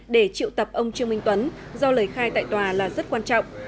để triệu tập ông trương minh tuấn do lời khai tại tòa là rất quan trọng